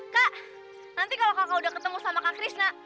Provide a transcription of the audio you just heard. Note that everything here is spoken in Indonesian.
kak nanti kalau kakak udah ketemu sama kak krishna